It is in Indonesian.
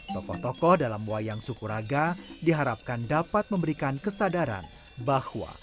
tokoh tokoh dalam wayang sukuraga diharapkan dapat memberikan kesadaran bahwa